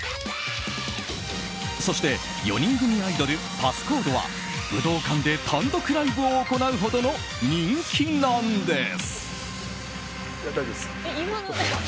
そして４人組アイドルＰａｓｓＣｏｄｅは武道館で単独ライブを行うほどの人気なんです。